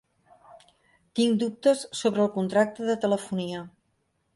Tinc dubtes sobre el contracte de telefonia.